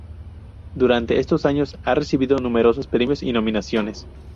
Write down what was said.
Durante estos años, ha recibido numerosos premios y nominaciones.